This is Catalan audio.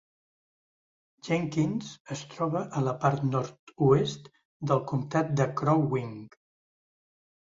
Jenkins es troba a la part nord-oest del Comtat de Crow Wing.